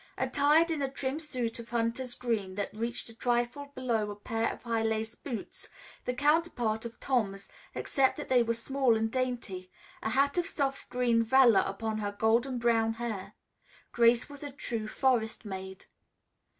Attired in a trim suit of hunter's green that reached a trifle below a pair of high laced boots, the counterpart of Tom's, except that they were small and dainty, a hat of soft green velour upon her golden brown hair, Grace was a true forest maid.